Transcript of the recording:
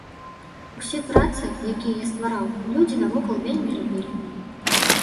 Усе працы, якія я ствараў, людзі навокал вельмі любілі.